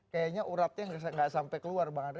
kayaknya uratnya nggak sampai keluar bang andre